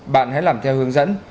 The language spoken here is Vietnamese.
bạn hãy làm theo hướng dẫn